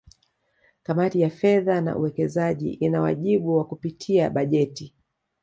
Kamati ya Fedha na Uwekezaji ina wajibu wa kupitia bajeti